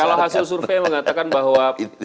kalau hasil survei mengatakan bahwa